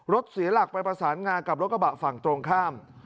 เสียหลักไปประสานงากับรถกระบะฝั่งตรงข้าม